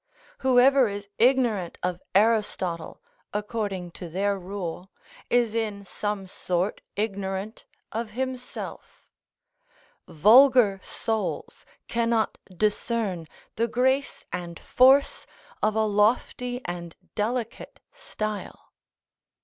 Whoever is ignorant of Aristotle, according to their rule, is in some sort ignorant of himself; vulgar souls cannot discern the grace and force of a lofty and delicate style.